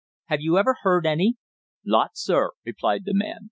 Have you ever heard any?" "Lots, sir," replied the man.